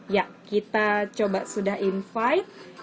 ya kita coba sudah invive